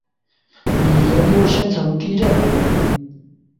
以研究深层地震闻名。